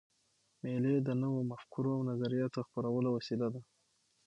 مېلې د نوو مفکورو او نظریاتو خپرولو وسیله ده.